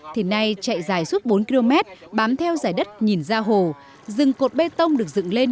thì nay chạy dài suốt bốn km bám theo dài đất nhìn ra hồ rừng cột bê tông được dựng lên